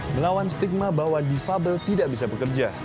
melawan stigma bahwa difabel tidak bisa bekerja